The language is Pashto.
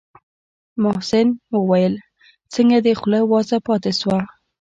محسن وويل څنگه دې خوله وازه پاته شوه.